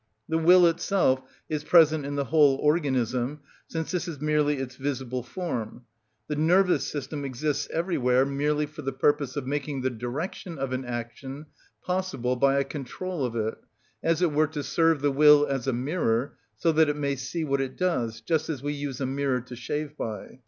The will itself is present in the whole organism, since this is merely its visible form; the nervous system exists everywhere merely for the purpose of making the direction of an action possible by a control of it, as it were to serve the will as a mirror, so that it may see what it does, just as we use a mirror to shave by.